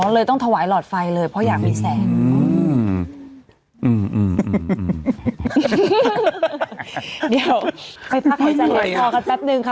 อ๋อเลยต้องถวายหลอดไฟเลยเพราะอยากมีแสง